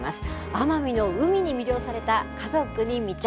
奄美の海に魅了された家族に密着。